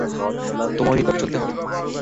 তোমার অভিজাতভাবে চলতে হবে।